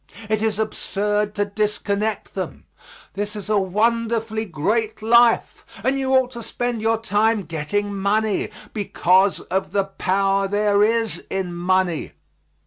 It is absurd to disconnect them. This is a wonderfully great life, and you ought to spend your time getting money, because of the power there is in money.